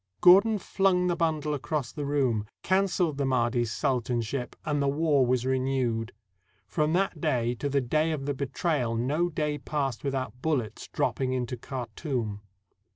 Gordon flung the bundle across the room, canceled the Mahdi's sultanship, and the war was renewed. From that day to the day of the betrayal no day passed with out bullets dropping into Khartoum.